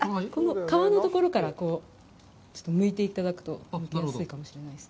皮のところからちょっとむいていただくとむきやすいかもしれないです。